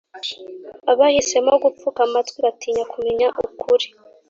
Abahisemo gupfuka amatwi batinya kumenya ukuri,